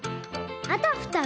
「あたふた！